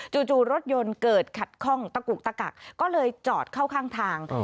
จู่รถยนต์เกิดขัดข้องตะกุกตะกักก็เลยจอดเข้าข้างทาง